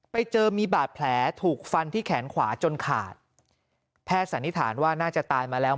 ไปเจอมีบาดแผลถูกฟันที่แขนขวาจนขาดแพทย์สันนิษฐานว่าน่าจะตายมาแล้ว